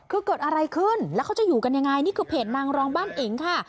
คือเกิดอะไรขึ้นแล้วเขาจะอยู่กันยังไงนี่คือเพจนางรองบ้านอิ๋งค่ะ